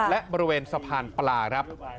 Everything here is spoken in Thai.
และบริเวณสะพานปลาครับ